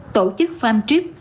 tổ chức farm trip